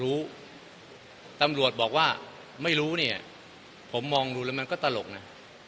ตำรวจบอกว่าไม่รู้เนี่ยผมมองดูแล้วมันก็ตลกนะ